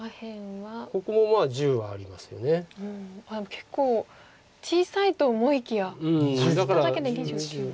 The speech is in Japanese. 結構小さいと思いきや足しただけで２９目。